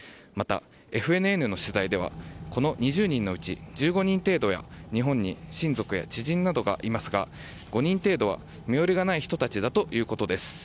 またＦＮＮの取材では、この２０人のうち１５人程度は日本に親族や知人などがいますが、５人程度は身寄りがない人たちだということです。